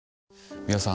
美輪さん